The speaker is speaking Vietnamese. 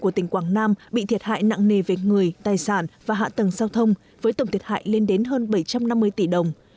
của tỉnh quảng nam bị thiệt hại nặng nề về người tài sản và hạ tầng giao thông với tổng thiệt hại lên đến hơn bảy trăm năm mươi tỷ đồng